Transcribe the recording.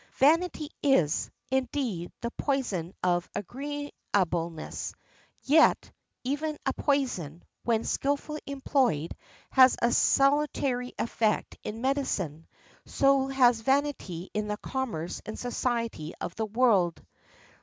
Vanity is, indeed, the poison of agreeableness, yet even a poison, when skillfully employed, has a salutary effect in medicine; so has vanity in the commerce and society of the world.